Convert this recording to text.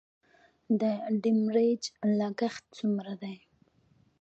د ډیمریج لګښت څومره دی؟